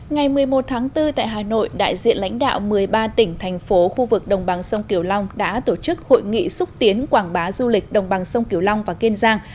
ngày một mươi một tháng bốn tại hà nội đại diện lãnh đạo một mươi ba tỉnh thành phố khu vực đồng bằng sông kiều long đã tổ chức hội nghị xúc tiến quảng bá du lịch đồng bằng sông kiều long và kiên giang